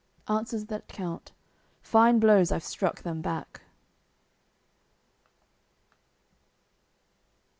Answers that count: "Fine blows I've struck them back."